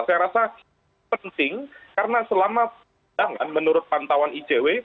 saya rasa penting karena selama persidangan menurut pantauan icw